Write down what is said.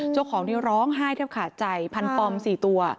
เจ้าของนี่ร้องไห้เทียบขาดใจพันปอมสี่ตัว